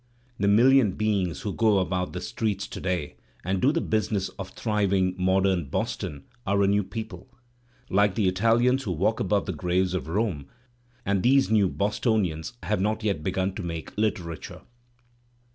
The million beings who go about the streets to day and do the business of thriving modem Boston are a new people, like the Italians who walk above the graves of Rome; and these new Boston ians have not yet begun to make Uterature.